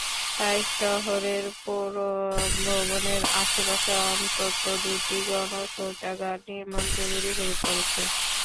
তাই শহরের পৌর ভবনের আশপাশে অন্তত দুটি গণশৌচাগার নির্মাণ জরুরি হয়ে পড়েছে।